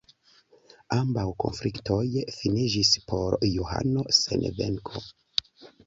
Ambaŭ konfliktoj finiĝis por Johano sen venko.